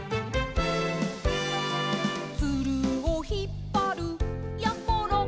「ツルをひっぱるやころ」